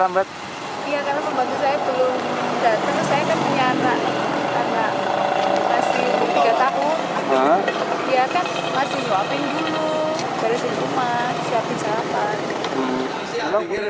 dia kan masih suapin dulu garisin rumah siapin siapa